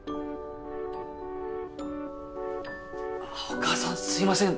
お母さんすいません。